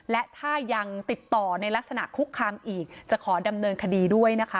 และถ้ายังติดต่อในลักษณะคุกคามอีกจะขอดำเนินคดีด้วยนะคะ